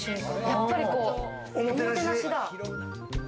やっぱりおもてなしだ。